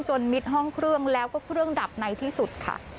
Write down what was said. มิดห้องเครื่องแล้วก็เครื่องดับในที่สุดค่ะ